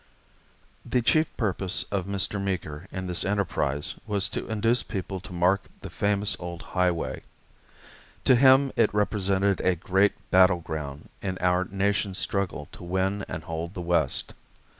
The chief purpose of Mr. Meeker in this enterprise was to induce people to mark the famous old highway. To him it represented a great battle ground in our nation's struggle to win and hold the West.